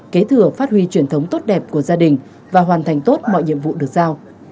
kế thừa phát huy truyền thống tốt đẹp của gia đình và hoàn thành tốt mọi nhiệm vụ được giao